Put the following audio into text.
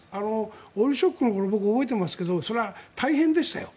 オイルショックの頃僕は覚えていますけどそれは大変でしたよ。